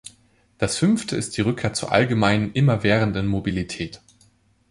Das fünfte ist die Rückkehr zur allgemeinen, immerwährenden Mobilität.